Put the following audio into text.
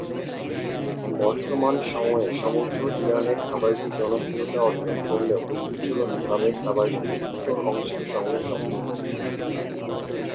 বর্তমান সময়ে সমগ্র ইরানে খাবারটি জনপ্রিয়তা অর্জন করলেও ঐতিহ্যগত ভাবে খাবারটি উত্তর অংশের সংগে সম্পর্কিত।